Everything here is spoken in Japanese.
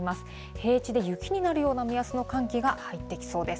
平地で雪になるような目安の寒気が入ってきそうです。